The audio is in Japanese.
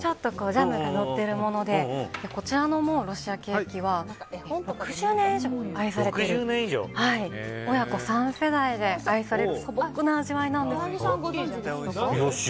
ジャムが載ってるものでこちらのロシアケーキは６０年以上愛されていて親子３世代で愛される素朴な味わいなんです。